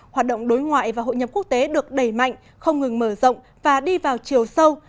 hoạt động đối ngoại và hội nhập quốc tế được đẩy mạnh không ngừng mở rộng và đi vào chiều sâu